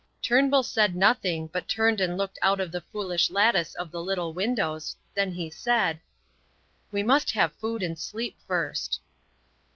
Turnbull said nothing, but turned and looked out of the foolish lattice of the little windows, then he said, "We must have food and sleep first."